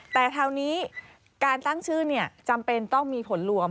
แต่คราวนี้การตั้งชื่อจำเป็นต้องมีผลรวม